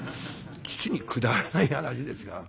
実にくだらない話ですが。